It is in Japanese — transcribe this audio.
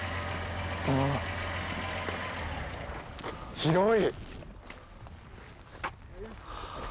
広い！